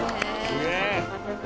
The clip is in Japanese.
すげえ！